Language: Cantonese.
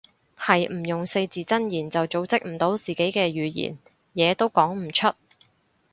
係唔用四字真言就組織唔到自己嘅語言，嘢都講唔出